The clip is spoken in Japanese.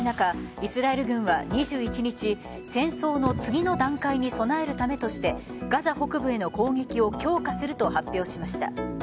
イスラエル軍は２１日戦争の次の段階に備えるためとしてガザ北部への攻撃を強化すると発表しました。